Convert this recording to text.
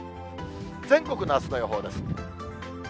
全国のあすの予報です。